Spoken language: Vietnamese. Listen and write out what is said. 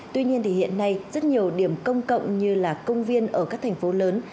tuy nhiên hiện nay rất nhiều điểm công cộng như công viên ở các thành phố lớn